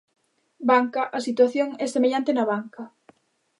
Banca A situación é semellante na banca.